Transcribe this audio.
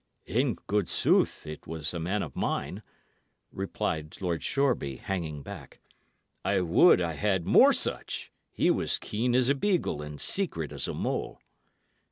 "In good sooth, it was a man of mine," replied Lord Shoreby, hanging back. "I would I had more such. He was keen as a beagle and secret as a mole."